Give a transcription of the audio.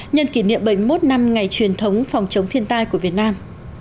nhân kỷ niệm bảy mươi một năm ngày truyền thống phòng chống thiên tai của việt nam